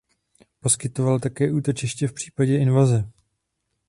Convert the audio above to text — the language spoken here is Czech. Poskytoval také útočiště v případě invaze.